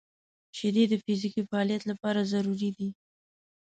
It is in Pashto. • شیدې د فزیکي فعالیت لپاره ضروري دي.